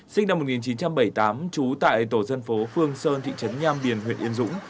sinh năm một nghìn chín trăm bảy mươi tám trú tại tổ dân phố phương sơn thị trấn nham điền huyện yên dũng